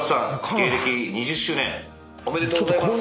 芸歴２０周年おめでとうございます。